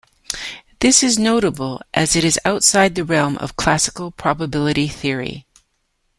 This is notable as it is outside the realm of classical probability theory.